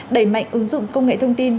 đẩy mạnh ứng dụng công nghệ thông tin